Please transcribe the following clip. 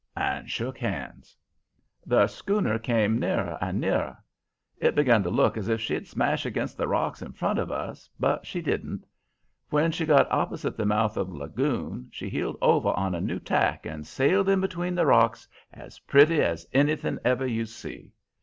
and shook hands. "The schooner came nearer and nearer. It begun to look as if she'd smash against the rocks in front of us, but she didn't. When she got opposite the mouth of the lagoon she heeled over on a new tack and sailed in between the rocks as pretty as anything ever you see.